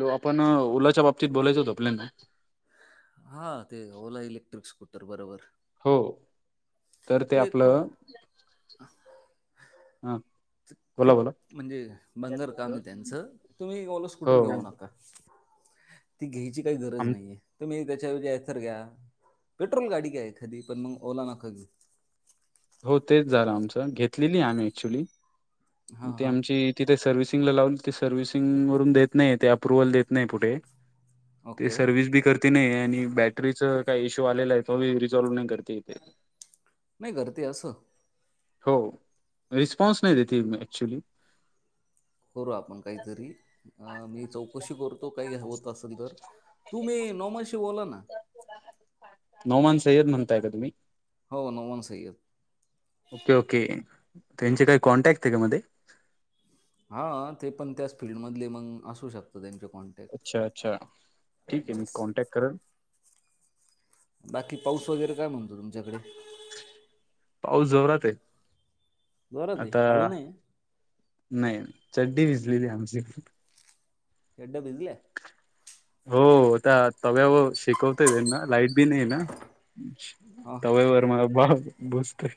Low आपण ओलाच्या बाबतीत बोलायचं होतं आपल्याला हा ते ओला इलेक्ट्रिक स्कूटर बरोबर. हो. तर ते एकख आपलं हा. बोला खूप बोला म्हणजे बंगर काम् त्यांचं तुम्ही ओल हो स्कूटर घेऊ नका. ती घ्यायची काही गरज आम नाहीये तर म त्या सर घ्या पेट्रोल गाडी घ्या एखधी पण मग ओला नका घे. हो तेच झालं आमच घेतलेली आम्ही ऍक्च्युली हां, त हां. आमची तिथे सर्विस सर्व्हसिंग वून देत नाही अप्रुव्हल देत नाही पुठे ते ओके. सर्विस बी करते नाही. आणि बॅटरीच काही इशू आलेलं आहे ती रिझॉल्व नाही करते इथे. नाही कररते असं. हो, रिस्पॉन्स नाही देते मेन ऍक्च्युली. करू आपण काहीतरी, मी चौकशी करतो काही होत असेल तर तुम्ही नोमाशी बोला ना. नोमान सय्यद म्हणताय का तुम्ही? हो नोमान सय्यद. Okay okay. त्यांचे काही कॉन्टॅक्ट आहे का मध्ये. हा ते पण त्याच फील्ड मधले, मग असू शकत त्यांच्या अच्छा अच्छा ठीक आहे, मी येस. कॉन्टॅक्ट करनं. बाकी पाऊस वगैरे काय म्हणतो तुमच्याकडे? पाऊस जोरात हाय. जोरात हाय, हाळू नाहीय? नाही, चड्डी भिजलेली आमची. चड्ड्या भिजल्या? हो, त्या तव्यावर शेकवतय त्यांना, लाईट बी नाही ना, हां हां तव्यावर माझा बाप बसते.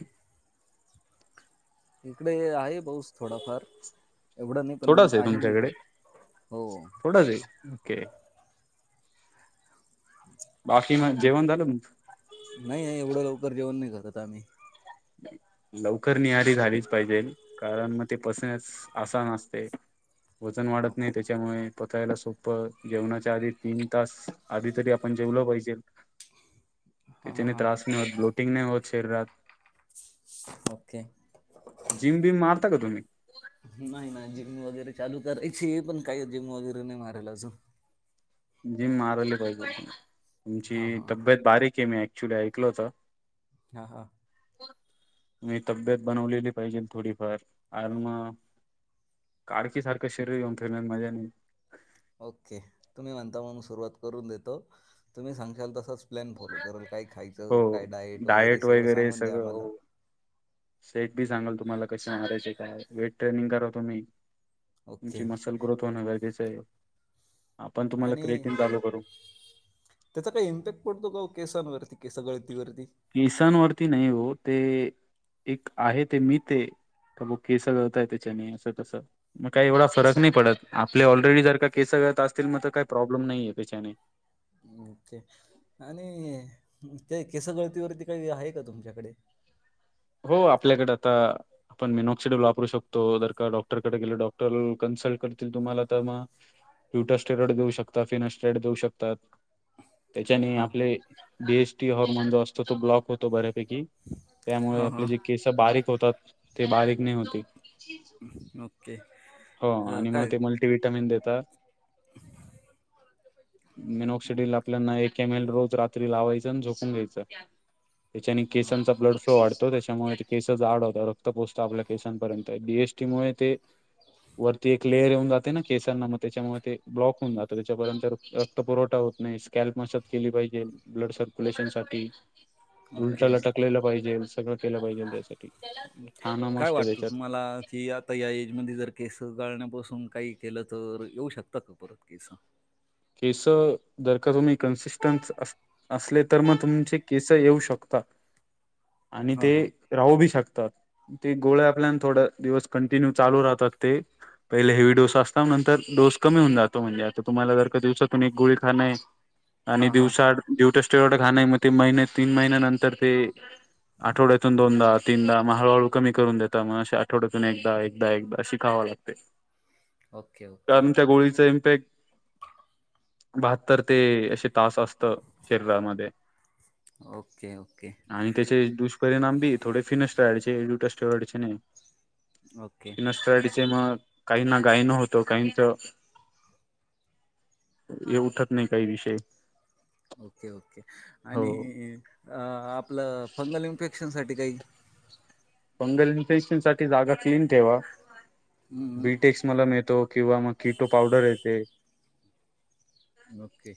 इकडे आहे पाऊस थोडाफार, एवढं नाही पण मग आहे नाही का. हो थोडाचं हे, ओके. बाकी मग हम्, जेवण झालं नाही एवढ्या लवकर जेवण नाही करत आम्ही. लवकर न्याहरी झालीच पाहिजे, कारण मग ते पचण्यास आसान असते. वजन वाढत नाही ओके त्याच्यामुळे. पचायला सोपं, जेवणाच्या आधी तीन तास आधी तरी आपण जेवलं पाहिजे. [inaudible] कि तेनी हां त्रास नाही होत ब्लोटिंग नाही होतं शरीरात. ओके. जिम बिम मारता का तुम्ही नाही नाही जिमनी वगैरे चालू करायची पण काय जिम वगैरे नाही मारायला अजून. जिम मारायला पाहिजे. तुमची हां हां तब्येत बारीक आहे मी ऐक चुड ऐकल होत. हा हा. मी तब्येत बनवलेली पाहिजे थोडीफार आणि म काडकी सारखं शरीर घेऊन फिरण्यात मजा नाही. ओके. तुम्ही म्हणता म्हणून सुरुवात करून देतो, तुम्ही सांगशालं तसंच प्लॅन फॉलो करल. काय खायचं, काय हो डायट वगैरे डाएट सगळं सांगून द्या सगळं आम्हाला. हो सेट बी सांगाल तुम्हाला कसे मारायचे काय, वेट ट्रेनिंग करा तुम्ही. तुमची ओके मसल ग्रोथ होणं गरजेचं आहे. आपण तुम्हाला आणि क्रेटिंग चालू करू त्याचा काही इम्पॅक्ट पडतो का केसांवरती केसगळती केसांवररती नाही हो, ते एक आहे ते मी ते का ब केस गळताय त्याच्याने, असं तसं. मग काही एवढा फरक नाही पडत, आपले ऑलरेडी जर का केसं गळतं असतील म काही प्रॉब्लेम नाही त्याच्याने. हूं ते आणि ते केस गळतीवरती काही आहे का तुमच्याकडे? हो, आपल्याकडे आता आपण मिनॉक्सिडल वापरू शकतो, जर का डॉक्टरकडे गेले, डॉक्टर कन्सल्ट करतील तुम्हाला तर मग ट्युटस्टेरॉइड देऊ शकता फिने स्ट्रेड देऊ शकतात. त्याच्याने हां आपले बीएसटी हॉर्मोन जो असतो तो ब्लॉक होतो बऱ्यापैकी त्यामुळे हां आपले हां जे केसं बारीक होतात ते बारीक नाही होते. ओके. हो ह आणि मग काय ते मल्टीव्हिटॅमिन देतात. [inaudible] मेनॉक्सिडल आपल्याना एक एम एल रोज रात्री लावायचं आणि झोपून घ्यायचं. त्याच्याने केसांचा ब्लड फ्लो वाढतऽ त्याच्यामुळे केस जाड होतात, रक्त पोचत आपल्या केसांपर्यंत, बीएसटी मुळे तेऽ वरती एक लेअर येऊन जाते ना, केसांना मग त्याच्यामुळे ते ब्लॉक होऊन जातं,, त्याच्यापर्यंत रक्त पुरवठा होतोऽ स्कॅल् मसाथ केली पाहिजे, ब्लड सर्क्युलेशन साठीऽ ओके उंचाला टकलेलं पाहिजे, सगळं केलं पाहिजे, त्यासाठीऽ काय वाटतं तुम्हाला, की आता या एज मध्ये जर केसऽ गळण्यापासून काही केलं तर येऊ शकत का परत केस? केस, जर का तुम्ही कन्सिस्टन्स असले तर मग तुमचे केस येऊ शकतातऽ आणि हां ते हां राहू बी शकतात. ते गोळे आपल्यान थोड दिवस कंटिन्यू चालू राहतात ते,,, पहिले हेवी डोस असता, नंतरडोस कमी होऊन जातो, म्हणजे आता तुम्हाला जरऽ दिवसातून एक गोळी खान य, आणि हां हां दिवऽ वढ खाणय, म ते महिन, तीन महिन्या नंतर तेऽ आठवड्यातून दोनदा, तीनदा मग हळूहळू कमी करून देता, म्ह अ आठवड्यातून एकदा, एकदा एकदा अे खावाऽ ओके ओके कारण त्या गोळीचा इम्पॅक्ट,, ऽ बहात्तर ते असे तास असत शरीरामध्ये. ओके ओके आणि त्याचे दुष्परिणाम बी थोडे फिनस् राचेऽ दट स्टेडी ओके स्टऽ काहींना गायनं होतं काहीचऽ एव उठत नाही काय विषय. ओके, ओके, आणि हो आपलं फंगल इन्फेक्शन साठी,,, अ काहीऽ फंगल इन्फेक्शन साठी जागा क्लीन ठेवाऽ हम्म, बीटेक्स मलम ऐतो, किंवा मग किटो पावडर येते,, नोक्के,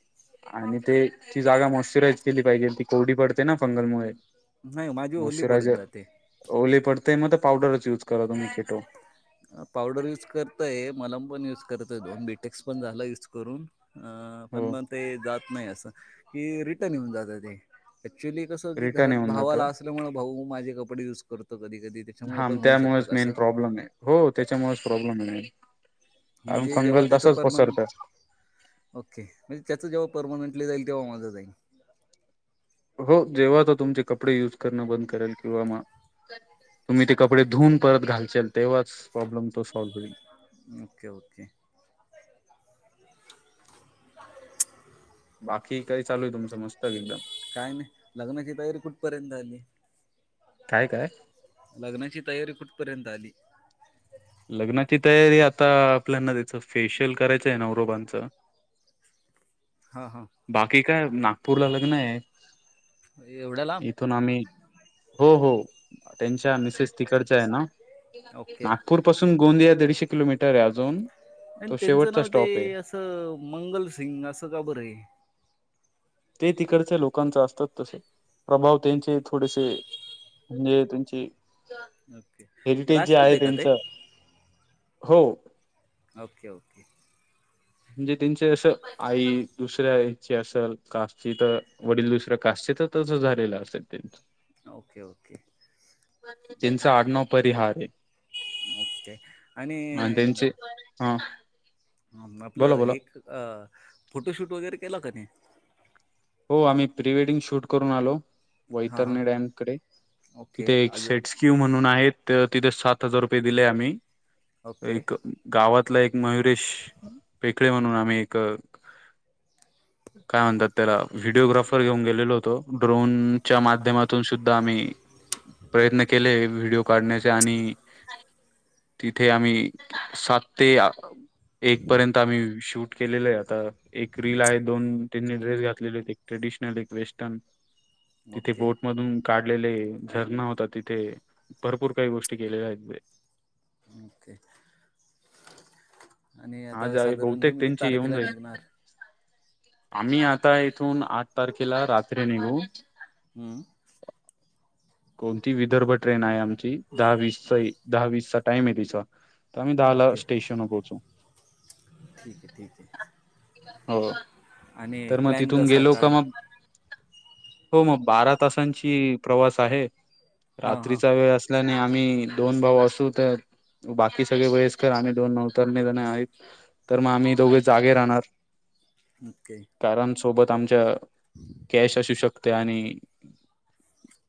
आणि ते ती जागा मॉइश्चराईज केली पाहिजे, ती कोरडी पडते ना फंगलमुळेऽ नाही माझी ओली पडत जाते. ओले पडते मग पावडरच युज करा तुम्ही कीटोऽ पावडर युज करतय, मलम पण युज करतय, दोन बीटेक्स पण झाला युज करूनऽ अं पण हो मग ते जात नाही असं,,, कि रिटर्न येऊन जात तेऽ ऍक्च्युअली कसं की रिटर्न घरात येऊन जातं भावाला असल्यामुळे भाऊ म माझे कपडे युज करतऽऽ कधी, कधी त्याच्यामुळे हा पण होऊ शकतं त्यामुळेच का मेन असंऽ प्रॉब्लेम आहे हो त्याच्यामुळेच प्रॉब्लेम नाहीऽ म्हणजे जेव्हा त्याचं परमनंट,,,, ओके,, म्हणजे त्याच जेव्हाऽ परमनंटली जाईल तेव्हा माझा जाईल. हो जेव्हा तर तुमचे कपडे युज करणं बंद करेल, किंवा मगऽऽ तुम्ही ते कपडे धुवून परत घालचेल, तेव्हाच प्रॉब्लेम तो सॉल्व्ह होईल. ओके ओके बाकी काय चालू आहे तुमचं मस्त एकदम काय नाही, लग्नाची तयारी कुठपर्यंत झाली? काय काय लग्नाची तयारी कुठपर्यंत आली? लग्नाची तयारी आता, आपल्याना द्यायचं फेशियल करायचं आहे नवररोबांचंऽ हा, हा काय? नागपूरला लग्न आहे,,, एवढ्या लांब इथून आम्ही हो,, हो. त्यांच्या मिसेस तिकडच्या आहे ना,, ओके नागपूर पासून गोंदिया दीडशे किलोमीटरऽऽ र अजून,,, आणि तो त्यांचं शेवटचा नाव ते स्टॉप आहे असं, मंगल सिंग असं का बरं आहेऽ ते तिकडच्या लोकांचा असतात तसे,, प्रभाव त्यांचे थोडेसेऽ म्हणजे तुमची,, ओके, राज राजपूत एत का ते? त्यांचं हो, ओके ओके म्हणजे त्यांचे असं आई दुसऱ्याची असल कास्ची तर वडील दुसऱ्या कास् थ त झालेलं असेल त्यां ओके ओके तनचा आठनव परिहार आहे ओके आणि हां ह आपलं एक अ फोटोशूट वगैरे केला कानी हो आम्ही प्रीवेडिंग शूट करून आलो हां वैतरणी हां डॅमकडे तिथे ओके एक अजून सेटस्क्यू म्हणून आहेत तिथे सात हजार रुपये दिले आम्ही ओके एक गावात तला एक मयुरेश पेकळे म्हणून आम्ही एक काय म्हणतात त्याला व्हिडीिओग्राफर घेऊन गेलेलो होतो ड्रोनच्या माध्यमातून सुद्धा आम्ही प्रयत्न केले व्हिडिओ काढण्याचा आणि तिथे आम्ही सात ते एक पर्यंत आम्ही शूट केलेलं आहे आता एक रील आहे दोन तीन ड्रेस घ डेडीसल वेस्ट तेथे ओके किबोडऀ मधुन काढले लेले झरणा होता तिथे भरपूर काही गोष्टी केलेल्या आहेत इ ते हाज आहे साधारण बहुतेक तुम्ही किती त्यांची येऊन तारखेला जाईल निघणार आम्ही आता इथून आठ तारखेला रात्री निघू हम्म कोणती विदर्भ ट्रेन आहे आमची दहावीस दहावीसचा टाइम आहे तिचा आम्ही दहाला ओके स्टेशन पोहोचू ठीक आहे ठीक आहे हो आणि तर मग प्लॅन तिथून कसा गेलो का काय मग हो मग बारा तासांची प्रवास आहे हां हां रात्रीचा वेळ असल्याने आम्ही दोन भाऊ असू तर बाकी सगळे वेळेसकर आम्ही दोन नऊ तर न जणे आहेत तर मग आम्ही दोघे जागे राहणार ओके सबत आमच्या कश असू शक आणि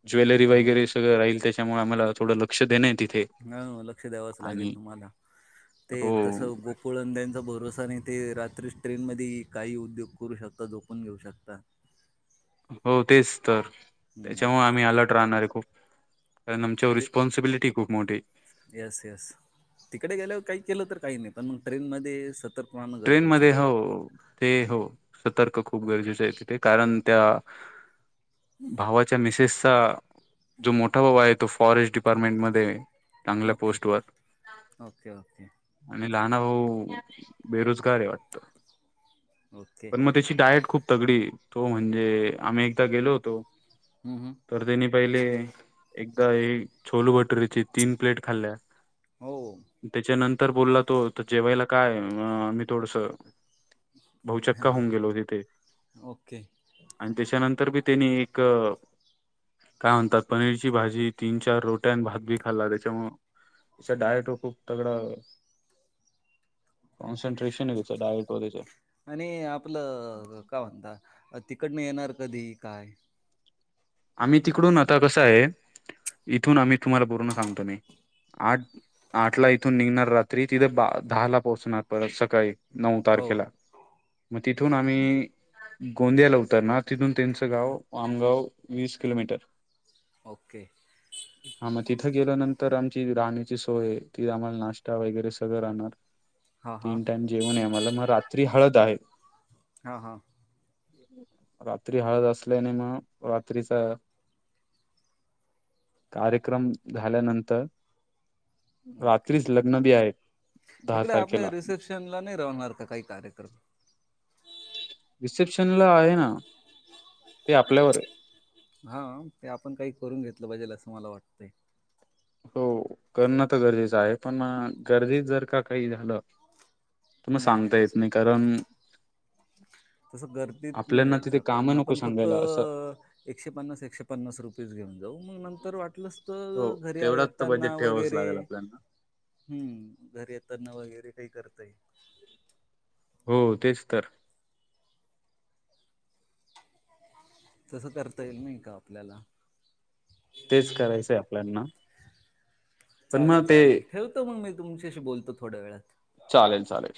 जवेलरी हो वगैरे सगळं राहील त्याच्यामुळे आम्हाला थडं लक्ष देण ह लक्ष द्यावाचं लागेल तुम्हाला ते हो तस गोकुळंद्यांचा भरोसा आणि ते रात्री ट्रेन म काही उद्योग करू शकता झोपून घेऊ शकता हो तेच तर हम्म. त्याच्यामुळे आम्ही अलर्ट राहणार आहे खूप कारण आमच्या ते रिस्ॉन्िबिलिटी खूप मोठी येस येस तिकडे गेल्यावर काही केलं तर काही नाही पण मग ट्रेन मध्ये सतर्क राहणं ट्रेन गरजेचं मध्ये हो आहे ते हो सतर्क खूप गरजेचं आहे तिथे कारण त्या भावाच्या मिसेसचा जो मोठा भाव आहे तो फॉरेस्ट डिपार्टमेंटमध्येध्ये चांगल्या ओके पोस्ट वर ओके ओके आणि लहान भा बेरोजगार आहे वाटत ओके पण मग त्याची डायट खूप तगडी तो म्हणजे आम्ही एकदा गेलो होतो हम्म, हम्म. तर त्यांनी पहिले छोोल भटुरीची तीन प्लेट खाल्ल्या हो त्याच्यानंतर तर बोलला तो तर जेवायला काय मी थोडस बहुचक्का हां होऊन गेलो त तेे ओके आणि त्याच्यानंतर बी त्यांनी एक काय म्हणतात पनीरची भाजी तीन चार रोट्यान भात बी खाल्ला त्याच्यामु त्याचा डायट व खूप तगडा [inaudible] ओके काॅस्टे्शन तुमच डाईट वैेगेरे आणि आपलं काय म्हणता तिकडन येणार कधी काय? आम्ही तिकडून आता कसं आहे इथून आम्ही तुम्हाला पूर्ण सांगतो मी आठ आठ ला इथून निघणार रात्री तिथे बा दहा ला पोहोचणार परत सकाळी. नऊ हो तारखेला तिथून आम्ही गोंदियाला उतरना तिथून त्यांचं गाव आमगाव वीस किलोमीटर. ओके हा मग तिथं गेल्यानंतर आमची राहण्याची सोय आहे तीथ आम्हाला नाश्ता वगैरे सगळं राहणार. हां, हां. तीन टाइम जेवण आहे मला मग रात्री हळद आहे. हा हा रात्री हळद असल्याने मग रात्रीचा कार्यक्रम झाल्यानंतर. ओके. रात्रीच लग्न बी आहे. दहा इकडे तारखेला आपल्या रिसेप्शन ला नाही राहणार का काही कार्यक्रम. रिसेप्शनला आहे ना ते आपल्यावर आहे. हा ते आपण काही करून घेतलं पाहिजेल असं मला वाटतंय. हो करणं तर गरजेचं आहे पण गर्दीत जर का काही झालं म सांगता येत नाही कारण तस गर्दीत नाही आपल्याना तिथे जायच पण कामं नको आपण फक्त सांगायला असं अं एकशे पन्नास -एकशे पन्नास रुपये घे जाऊ मग नंतर वाटलंस हो तर घरी तेवढाच तर येताना बजेट ठेवावंच वगैरे लागेल आपल्याना हुं घरी येताना वगैरे काही करत ते हो तेच तर. तसं करता येईल नाई का आपल्याला. तेच करायचंय आपल्याना पण मग चालेल ते चालेल ठेवतो मग मी तुमच्याशी बोलतो थोड्या वेळात. चालेल चालेल.